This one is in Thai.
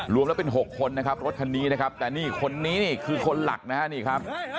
รวมแล้วเป็น๖คนนะครับรถคันนี้นะครับแต่นี่คนนี้นี่คือคนหลักนะฮะนี่ครับ